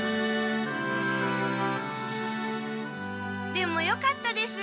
でもよかったです。